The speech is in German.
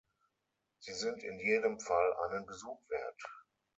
Sie sind in jedem Fall einen Besuch wert.